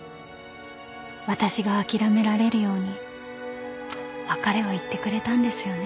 ［私が諦められるように別れを言ってくれたんですよね？］